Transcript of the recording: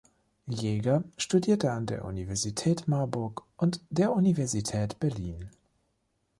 Jaeger studierte an der Universität Marburg und der Universität Berlin.